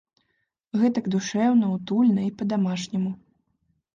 Гэтак душэўна, утульна і па-дамашняму.